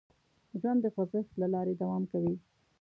ژوند د خوځښت له لارې دوام کوي.